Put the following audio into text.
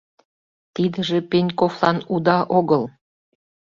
Тидыже Пеньковлан уда огыл.